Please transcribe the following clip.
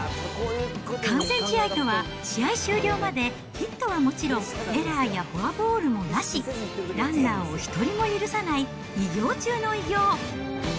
完全試合とは、試合終了までヒットはもちろん、エラーやフォアボールもなし、ランナーを１人も許さない偉業中の偉業。